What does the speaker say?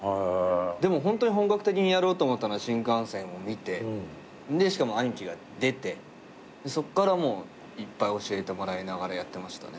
でもホントに本格的にやろうと思ったのは新感線を見てしかも兄貴が出てそっからもういっぱい教えてもらいながらやってましたね。